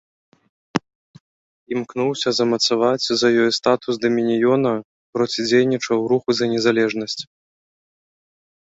Імкнуўся замацаваць за ёй статус дамініёна, процідзейнічаў руху за незалежнасць.